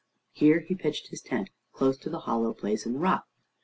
Here he pitched his tent, close to the hollow place in the rock.